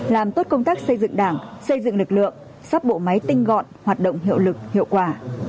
làm tốt công tác xây dựng đảng xây dựng lực lượng sắp bộ máy tinh gọn hoạt động hiệu lực hiệu quả